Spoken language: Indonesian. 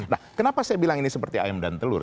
nah kenapa saya bilang ini seperti ayam dan telur